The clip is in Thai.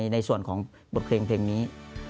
ในส่วนของบทเพลงนี้